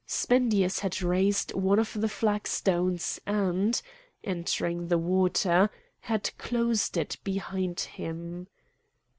Spendius had raised one of the flag stones and, entering the water, had closed it behind him.